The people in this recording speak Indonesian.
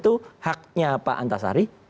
itu haknya pak antasari